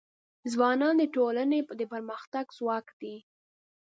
ځوانان د ټولنې د پرمختګ ځواک دی.